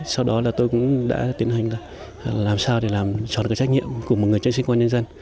sau đó là tôi cũng đã tiến hành làm sao để làm cho được trách nhiệm của một người trẻ sinh quan nhân dân